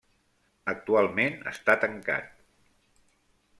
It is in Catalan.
Actualment està tancat.